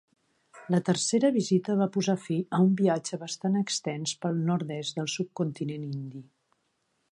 La tercera visita va posar fi a un viatge bastant extens pel nord-est del subcontinent indi.